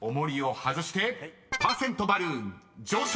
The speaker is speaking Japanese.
［パーセントバルーン上昇！］